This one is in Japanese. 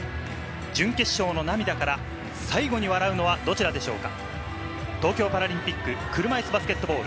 準決勝の涙から、最後に笑うのはどちらでしょうか？